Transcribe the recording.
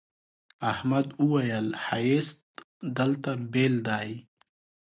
احمد وويل: ښایست دلته بېل دی.